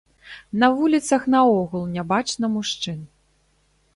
На вуліцах наогул нябачна мужчын.